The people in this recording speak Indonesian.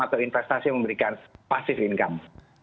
atau investasi yang memberikan passive income